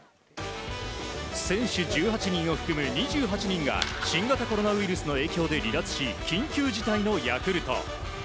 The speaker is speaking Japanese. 選手１８人を含む２８人が新型コロナウイルスの影響で離脱し、緊急事態のヤクルト。